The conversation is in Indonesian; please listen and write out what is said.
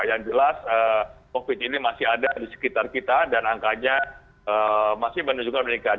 yang jelas covid ini masih ada di sekitar kita dan angkanya masih menunjukkan meningkat